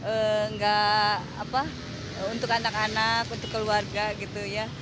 enggak apa untuk anak anak untuk keluarga gitu ya